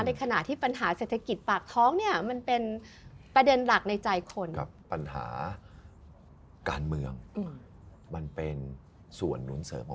ในขณะที่ปัญหาเศรษฐกิจปากท้องเนี่ยมันเป็นประเด็นหลักในใจคน